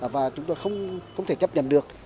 và chúng tôi không thể chấp nhận được